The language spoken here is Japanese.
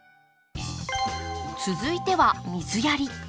続いては水やり。